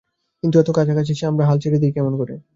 কিন্তু এত কাছাকাছি এসে আমি হাল ছেড়ে দেই কেমন করে?